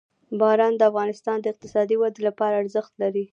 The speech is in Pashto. باران د افغانستان د اقتصادي ودې لپاره ارزښت لري.